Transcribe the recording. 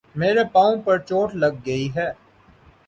میرے پاؤں پر چوٹ لگ گئی ہے